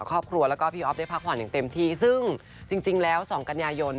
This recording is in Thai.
ครอบครัวแล้วก็พี่อ๊อฟได้พักผ่อนอย่างเต็มที่ซึ่งจริงแล้ว๒กันยายน